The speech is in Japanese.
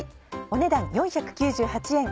お値段４９８円。